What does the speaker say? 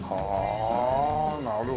はあなるほど。